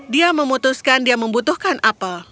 dia memutuskan dia membutuhkan apel